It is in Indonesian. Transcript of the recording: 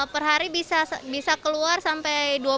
perhari bisa keluar sampai dua puluh lima puluh lusin